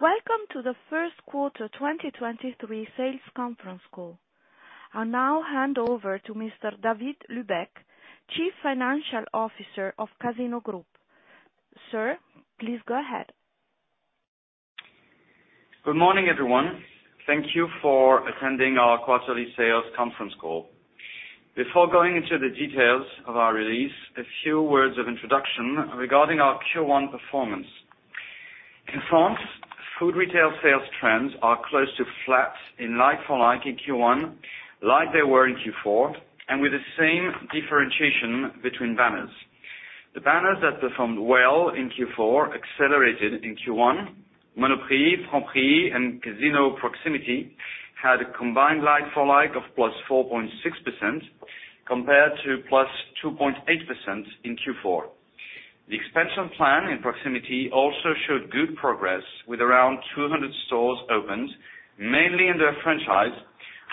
Welcome to the first quarter 2023 sales conference call. I'll now hand over to Mr. David Lubek, Chief Financial Officer of Casino Groupe. Sir, please go ahead. Good morning, everyone. Thank you for attending our quarterly sales conference call. Before going into the details of our release, a few words of introduction regarding our Q1 performance. In France, food retail sales trends are close to flat in like-for-like in Q1, like they were in Q4, and with the same differentiation between banners. The banners that performed well in Q4 accelerated in Q1, Monoprix, Franprix, and Casino Proximité had a combined like-for-like of +4.6% compared to +2.8% in Q4. The expansion plan in Proximité also showed good progress with around 200 stores opened, mainly in their franchise,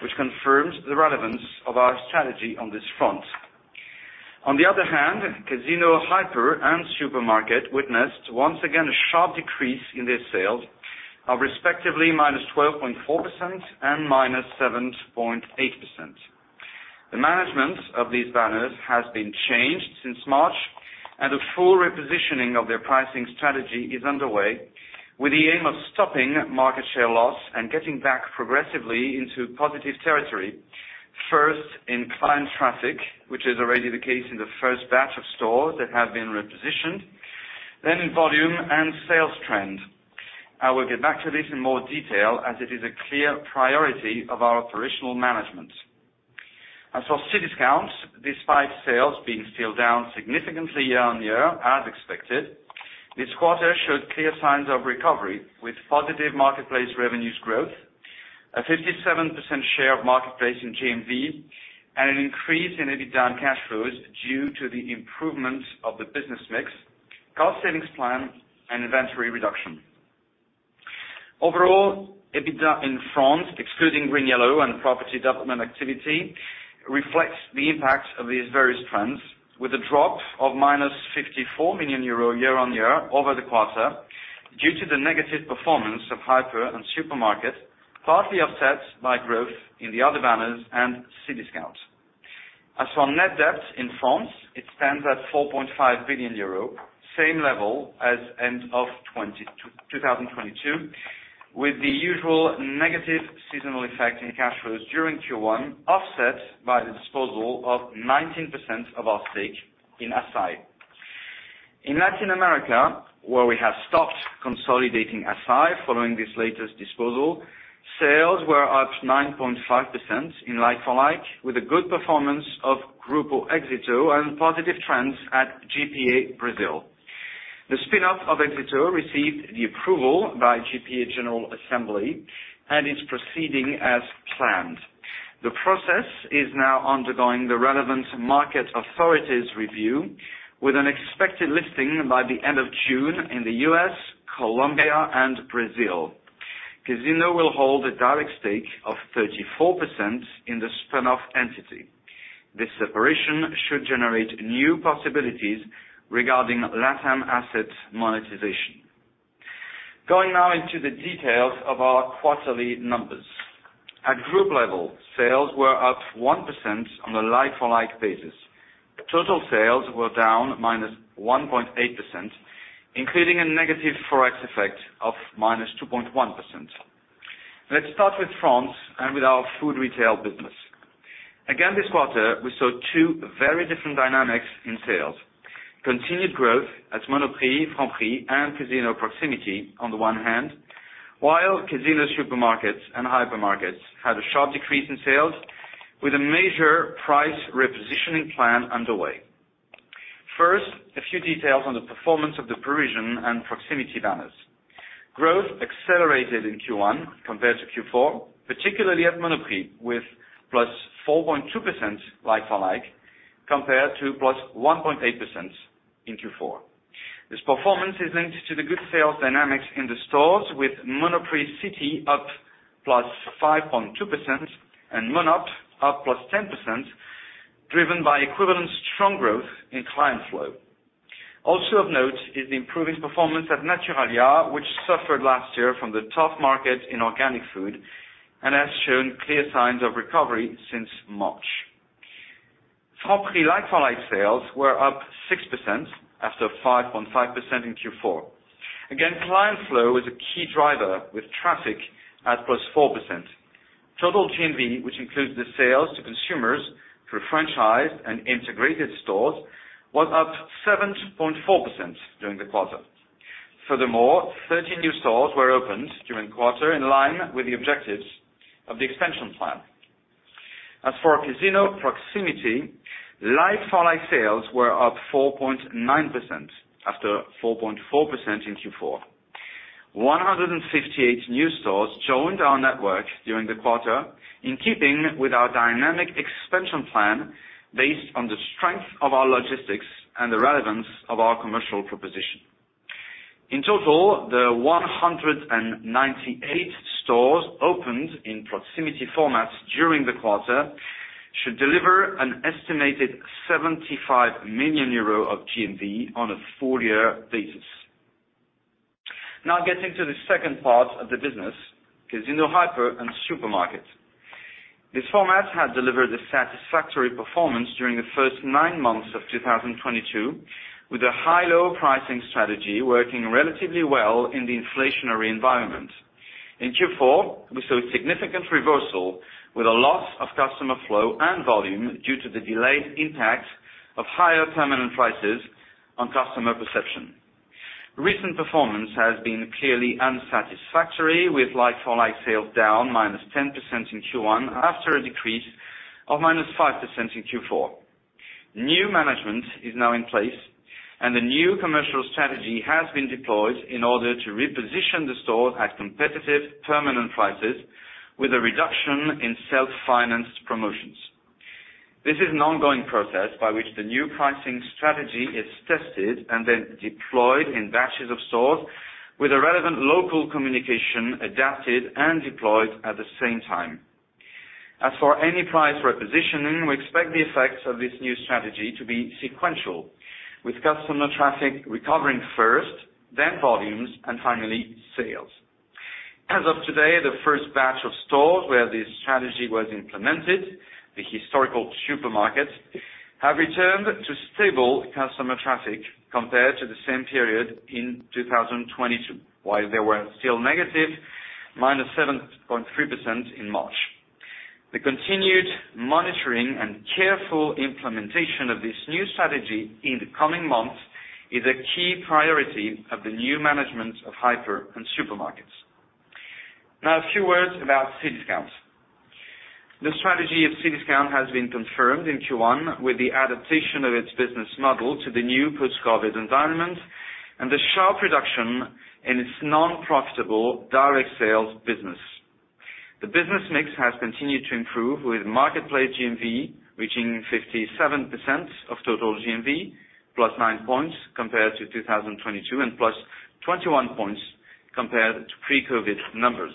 which confirms the relevance of our strategy on this front. On the other hand, Casino Hyper and supermarket witnessed once again a sharp decrease in their sales of respectively -12.4% and -7.8%. The management of these banners has been changed since March, a full repositioning of their pricing strategy is underway with the aim of stopping market share loss and getting back progressively into positive territory, first in client traffic, which is already the case in the first batch of stores that have been repositioned, then in volume and sales trend. I will get back to this in more detail as it is a clear priority of our operational management. As for Cdiscount, despite sales being still down significantly year-on-year, as expected, this quarter showed clear signs of recovery with positive marketplace revenues growth, a 57% share of marketplace in GMV, and an increase in EBITDA cash flows due to the improvement of the business mix, cost savings plan, and inventory reduction. Overall, EBITDA in France, excluding GreenYellow and property development activity, reflects the impact of these various trends with a drop of - 54 million euro year-on-year over the quarter due to the negative performance of Hyper and Supermarket, partly offset by growth in the other banners and Cdiscount. Net debt in France stands at 4.5 billion euro, same level as end of 2022, with the usual negative seasonal effect in cash flows during Q1 offset by the disposal of 19% of our stake in Assaí. In Latin America, where we have stopped consolidating Assaí following this latest disposal, sales were up 9.5% in like-for-like with a good performance of Grupo Éxito and positive trends at GPA Brazil. The spin-off of Éxito received the approval by GPA General Assembly and is proceeding as planned. The process is now undergoing the relevant market authorities review with an expected listing by the end of June in the U.S., Colombia and Brazil. Casino will hold a direct stake of 34% in the spin-off entity. This separation should generate new possibilities regarding LatAm asset monetization. Going now into the details of our quarterly numbers. At group level, sales were up 1% on a like-for-like basis. Total sales were down -1.8%, including a negative ForEx effect of -2.1%. Let's start with France and with our food retail business. Again, this quarter, we saw two very different dynamics in sales. Continued growth at Monoprix, Franprix, and Casino Proximité on the one hand, while Casino Supermarkets and Hypermarkets had a sharp decrease in sales with a major price repositioning plan underway. First, a few details on the performance of the Parisian and Proximité banners. Growth accelerated in Q1 compared to Q4, particularly at Monoprix, with +4.2% like-for-like compared to +1.8% in Q4. This performance is linked to the good sales dynamics in the stores with Monoprix City up +5.2% and Monop' up +10%, driven by equivalent strong growth in client flow. Also of note is the improving performance at Naturalia, which suffered last year from the tough market in organic food and has shown clear signs of recovery since March. Franprix like-for-like sales were up 6% after 5.5% in Q4. Again, client flow is a key driver with traffic at +4%. Total GMV, which includes the sales to consumers through franchised and integrated stores, was up 7.4% during the quarter. Furthermore, 30 new stores were opened during the quarter in line with the objectives of the expansion plan. As for Casino Proximité, like-for-like sales were up 4.9% after 4.4% in Q4. 158 new stores joined our network during the quarter in keeping with our dynamic expansion plan based on the strength of our logistics and the relevance of our commercial proposition. In total, the 198 stores opened in Proximité formats during the quarter Should deliver an estimated 75 million euro of GMV on a full year basis. Now getting to the second part of the business, Casino Hyper and Supermarket. These formats had delivered a satisfactory performance during the first nine months of 2022, with a high-low pricing strategy working relatively well in the inflationary environment. In Q4, we saw a significant reversal with a loss of customer flow and volume due to the delayed impact of higher permanent prices on customer perception. Recent performance has been clearly unsatisfactory, with like-for-like sales down -10% in Q1 after a decrease of -5% in Q4. New management is now in place, a new commercial strategy has been deployed in order to reposition the store at competitive permanent prices with a reduction in self-financed promotions. This is an ongoing process by which the new pricing strategy is tested and then deployed in batches of stores with a relevant local communication adapted and deployed at the same time. As for any price repositioning, we expect the effects of this new strategy to be sequential, with customer traffic recovering first, then volumes, and finally sales. As of today, the first batch of stores where this strategy was implemented, the historical supermarkets, have returned to stable customer traffic compared to the same period in 2022, while they were still negative -7.3% in March. The continued monitoring and careful implementation of this new strategy in the coming months is a key priority of the new management of hyper and supermarkets. Now a few words about Cdiscount. The strategy of Cdiscount has been confirmed in Q1 with the adaptation of its business model to the new post-COVID environment and the sharp reduction in its non-profitable direct sales business. The business mix has continued to improve with marketplace GMV reaching 57% of total GMV, plus nine points compared to 2022, and plus 21 points compared to pre-COVID numbers.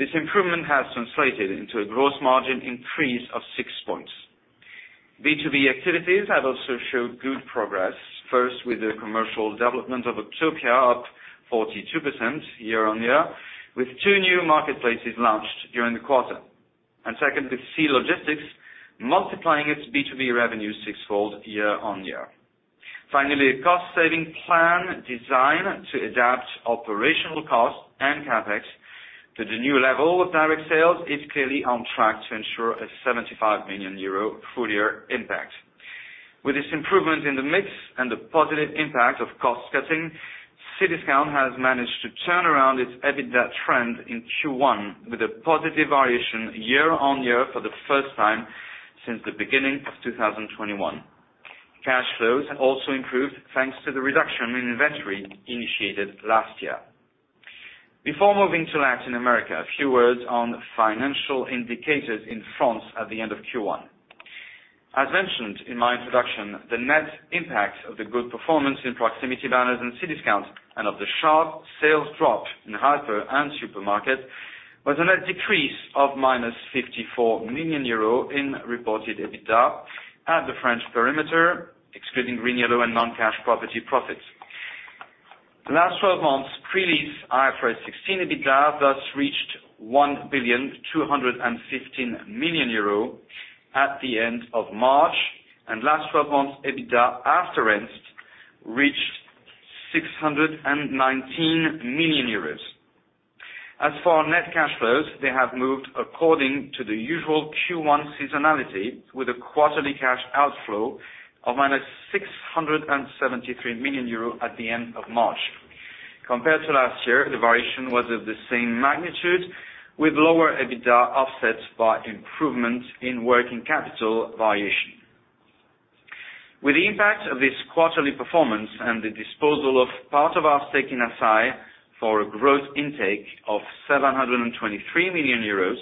This improvement has translated into a gross margin increase of six points. B2B activities have also showed good progress, first with the commercial development of Octopia, up 42% year-on-year, with two new marketplaces launched during the quarter. Second, with C Logistics multiplying its B2B revenue six-fold year-on-year. Finally, a cost-saving plan designed to adapt operational costs and CapEx to the new level of direct sales is clearly on track to ensure a 75 million euro full year impact. With this improvement in the mix and the positive impact of cost cutting, Cdiscount has managed to turn around its EBITDA trend in Q1 with a positive variation year-on-year for the first time since the beginning of 2021. Cash flows also improved thanks to the reduction in inventory initiated last year. Before moving to Latin America, a few words on financial indicators in France at the end of Q1. As mentioned in my introduction, the net impact of the good performance in proximity banners and Cdiscount and of the sharp sales drop in hyper and supermarket was a net decrease of minus 54 million euro in reported EBITDA at the French perimeter, excluding GreenYellow and non-cash property profits. The last 12 months pre-lease IFRS 16 EBITDA thus reached 1.215 billion at the end of March, and last 12 months EBITDA after rent reached 619 million euros. As for our net cash flows, they have moved according to the usual Q1 seasonality with a quarterly cash outflow of -673 million euro at the end of March. Compared to last year, the variation was of the same magnitude with lower EBITDA offsets by improvement in working capital variation. With the impact of this quarterly performance and the disposal of part of our stake in Assaí for a gross intake of 723 million euros,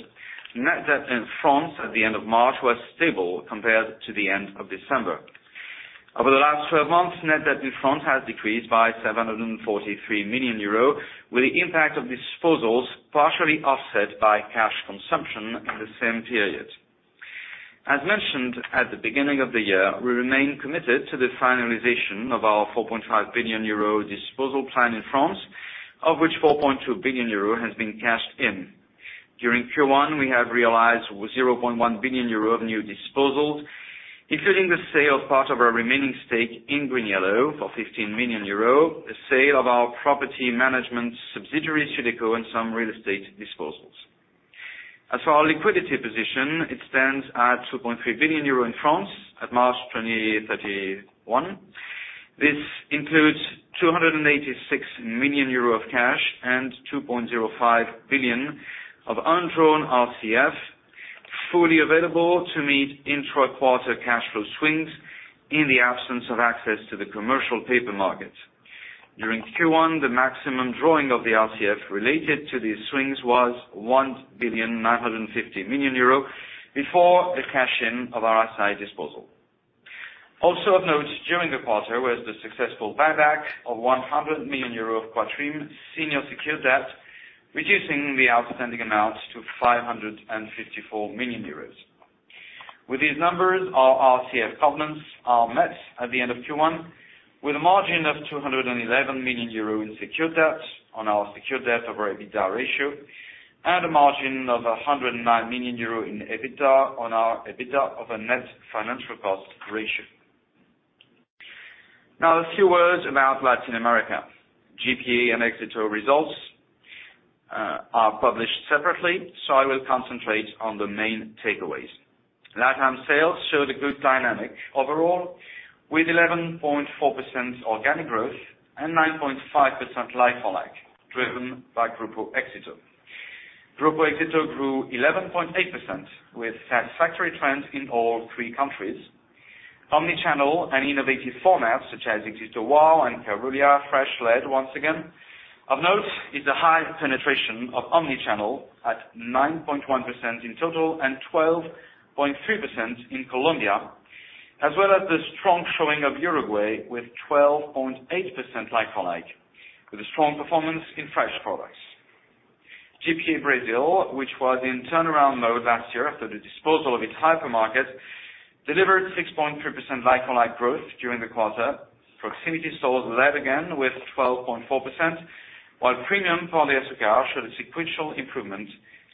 net debt in France at the end of March was stable compared to the end of December. Over the last 12 months, net debt in France has decreased by 743 million euros, with the impact of disposals partially offset by cash consumption in the same period. As mentioned at the beginning of the year, we remain committed to the finalization of our 4.5 billion euro disposal plan in France, of which 4.2 billion euro has been cashed in. During Q1, we have realized 0.1 billion euro of new disposals, including the sale part of our remaining stake in GreenYellow for 15 million euro, the sale of our property management subsidiary, Sudeco, and some real estate disposals. As for our liquidity position, it stands at 2.3 billion euro in France at March 31. This includes 286 million euro of cash and 2.05 billion of undrawn RCF, fully available to meet intra-quarter cash flow swings in the absence of access to the commercial paper market. During Q1, the maximum drawing of the RCF related to these swings was 1.95 billion before the cash in of our Assaí disposal. Also of note during the quarter was the successful buyback of 100 million euro of Quatrim senior secured debt, reducing the outstanding amounts to 554 million euros. With these numbers, our RCF covenants are met at the end of Q1 with a margin of 211 million euro in secured debts on our secured debt over EBITDA ratio and a margin of 109 million euro in EBITDA on our EBITDA over net financial cost ratio. Now a few words about Latin America. GPA and Éxito results are published separately, so I will concentrate on the main takeaways. LatAm sales showed a good dynamic overall, with 11.4% organic growth and 9.5% like-for-like, driven by Grupo Éxito. Grupo Éxito grew 11.8% with satisfactory trends in all three countries. Omnichannel and innovative formats such as Éxito WOW and Carulla Fresh led once again. Of note is the high penetration of omnichannel at 9.1% in total and 12.3% in Colombia, as well as the strong showing of Uruguay with 12.8% like-for-like, with a strong performance in fresh products. GPA Brazil, which was in turnaround mode last year after the disposal of its hypermarket, delivered 6.3% like-for-like growth during the quarter. Proximity stores led again with 12.4%, while premium Pão de Açúcar showed a sequential improvement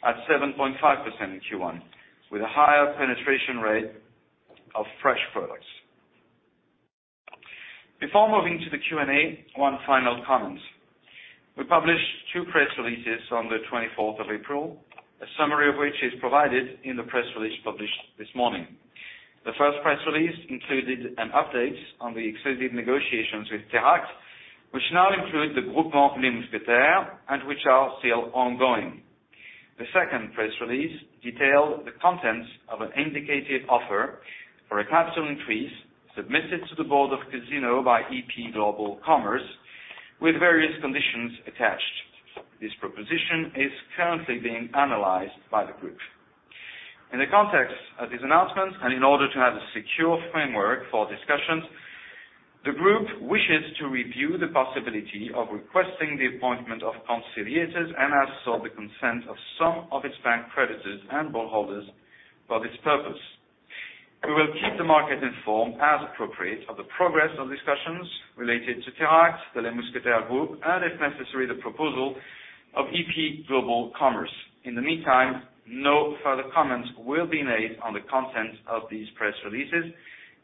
at 7.5% in Q1, with a higher penetration rate of fresh products. Before moving to the Q&A, one final comment. We published two press releases on the 24th of April, a summary of which is provided in the press release published this morning. The first press release included an update on the exclusive negotiations with TERACT, which now include The Groupement Mousquetaires and which are still ongoing. The second press release detailed the contents of an indicated offer for a capital increase submitted to the board of Casino by EP Global Commerce. with various conditions attached. This proposition is currently being analyzed by the group. In the context of this announcement, and in order to have a secure framework for discussions, the group wishes to review the possibility of requesting the appointment of conciliators and has sought the consent of some of its bank creditors and stockholders for this purpose. We will keep the market informed as appropriate of the progress of discussions related to TERACT, the Les Mousquetaires group, and if necessary, the proposal of EP Global Commerce. In the meantime, no further comments will be made on the contents of these press releases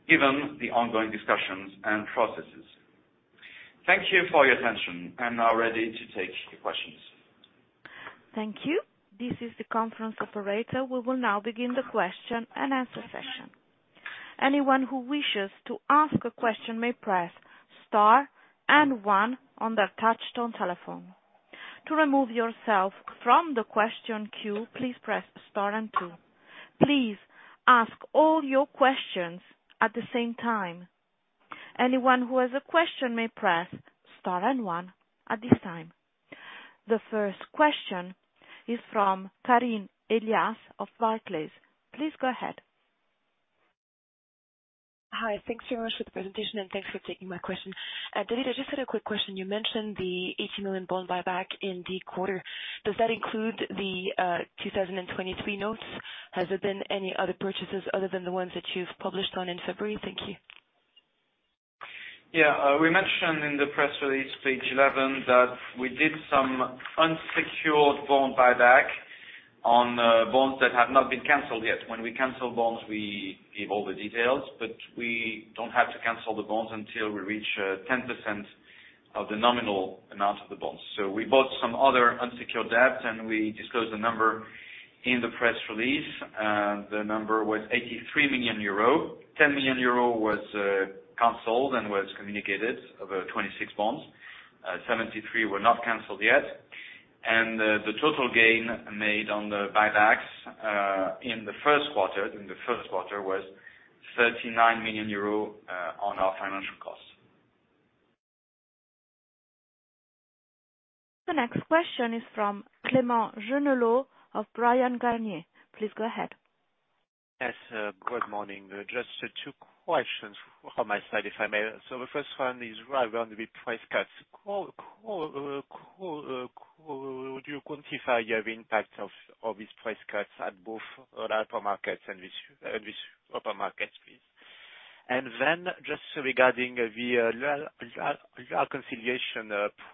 given the ongoing discussions and processes. Thank you for your attention. I'm now ready to take your questions. Thank you. This is the conference operator. We will now begin the question and answer session. Anyone who wishes to ask a question may press star and 1 on their touchtone telephone. To remove yourself from the question queue, please press star and two. Please ask all your questions at the same time. Anyone who has a question may press star and 1 at this time. The first question is from Karine Elias of Barclays. Please go ahead. Hi. Thanks so much for the presentation. Thanks for taking my question. David, I just had a quick question. You mentioned the 80 million bond buyback in the quarter. Does that include the 2023 notes? Has there been any other purchases other than the ones that you've published on in February? Thank you. Yeah. We mentioned in the press release, page 11, that we did some unsecured bond buyback on bonds that have not been canceled yet. When we cancel bonds, we give all the details, but we don't have to cancel the bonds until we reach 10% of the nominal amount of the bonds. We bought some other unsecured debt, and we disclosed the number in the press release. The number was 83 million euro. 10 million euro was canceled and was communicated over 26 bonds. 73 were not canceled yet. The total gain made on the buybacks in the first quarter was 39 million euro on our financial costs. The next question is from Clément Genelot of Bryan, Garnier. Please go ahead. Yes. Good morning. Just two questions from my side, if I may. The first one is regarding the price cuts. Would you quantify your impact of these price cuts at both on hypermarkets and with supermarkets, please? Then just regarding the conciliation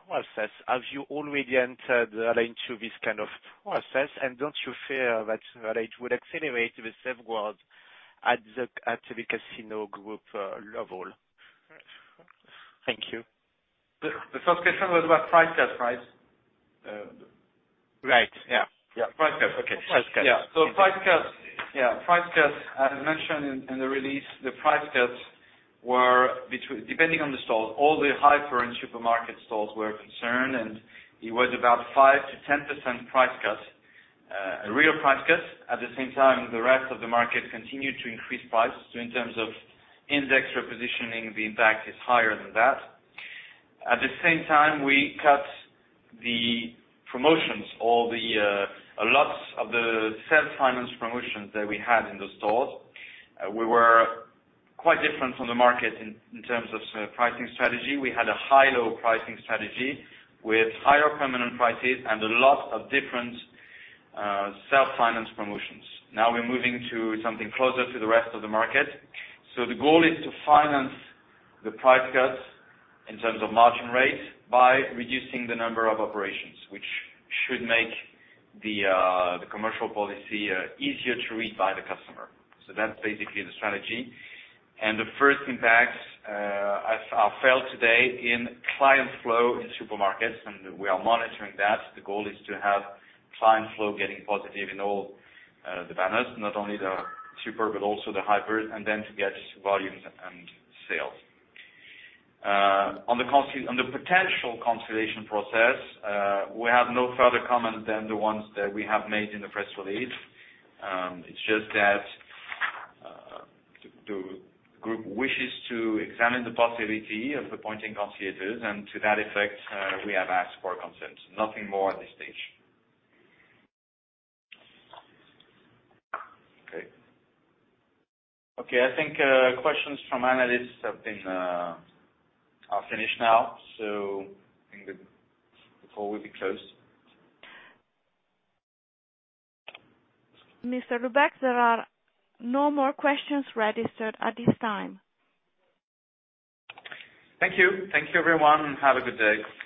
process, have you already entered into this kind of process? Don't you fear that it would accelerate the same growth at the Casino Groupe level? Thank you. The first question was about price cuts, right? Right. Yeah. Yeah. Price cuts. Okay. Price cuts. Price cuts. Price cuts, as mentioned in the release, the price cuts were depending on the stores, all the hyper and supermarket stores were concerned, and it was about 5%-10% price cut, a real price cut. At the same time, the rest of the market continued to increase prices. In terms of index repositioning, the impact is higher than that. At the same time, we cut the promotions or the a lot of the self-finance promotions that we had in the stores. We were quite different from the market in terms of pricing strategy. We had a high-low pricing strategy with higher permanent prices and a lot of different self-finance promotions. Now we're moving to something closer to the rest of the market. The goal is to finance the price cuts in terms of margin rates by reducing the number of operations, which should make the commercial policy easier to read by the customer. That's basically the strategy. The first impacts are felt today in client flow in supermarkets, and we are monitoring that. The goal is to have client flow getting positive in all the banners, not only the super, but also the hypers, and then to get volumes and sales. On the potential consolidation process, we have no further comment than the ones that we have made in the press release. It's just that the group wishes to examine the possibility of appointing conciliators, and to that effect, we have asked for consent. Nothing more at this stage. Okay. I think questions from analysts have been finished now. I think the call will be closed. Mr. Lubek, there are no more questions registered at this time. Thank you. Thank you, everyone, and have a good day.